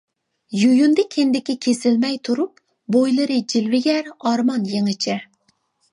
يۇيۇندى كىندىكى كېسىلمەي تۇرۇپ، بويلىرى جىلۋىگەر، ئارمان يېڭىچە.